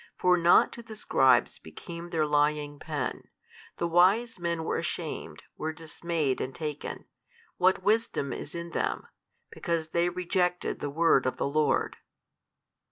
For nought to the scribes became their lying pen; the wise men were ashamed, were dismayed and taken; what wisdom is in them? because they rejected the word of the Lord.